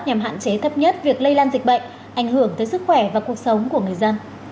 nhằm hạn chế thấp nhất việc lây lan dịch bệnh ảnh hưởng tới sức khỏe và cuộc sống của người dân